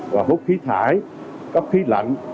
và hút khí thải cấp khí lạnh